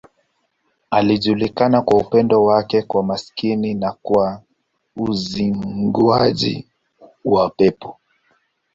Alijulikana kwa upendo wake kwa maskini na kwa uzinguaji wa pepo.